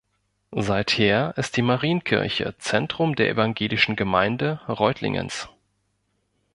Seither ist die Marienkirche Zentrum der evangelischen Gemeinde Reutlingens.